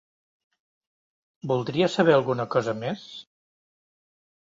Voldria saber alguna cosa més?